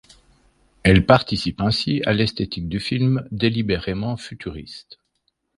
Elle participe ainsi à l'esthétique du film délibérément futuriste.